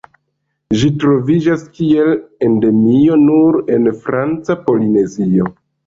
Ĝi troviĝas kiel endemio nur en Franca Polinezio.